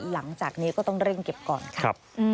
หลังจากนี้ก็ต้องเร่งเก็บก่อนค่ะ